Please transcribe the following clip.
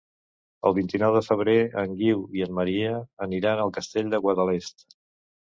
El vint-i-nou de febrer en Guiu i en Maria aniran al Castell de Guadalest.